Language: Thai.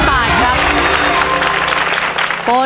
เท่าไหร่